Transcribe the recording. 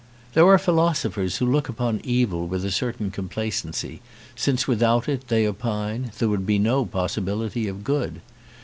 There are philosophers who look upon evil with a certain complacency, since without it, they opine, there would be no possibility of good.